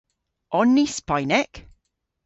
On ni Spaynek?